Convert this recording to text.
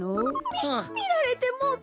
みみられてもうた。